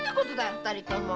二人とも！